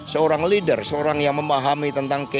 seorang leader seorang yang memahami tentang kese